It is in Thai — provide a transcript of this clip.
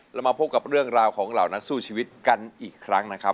เรามาพบกับเรื่องราวของเหล่านักสู้ชีวิตกันอีกครั้งนะครับ